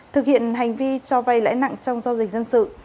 thực hiện hành vi cho vay lãi nặng trong giao dịch dân sự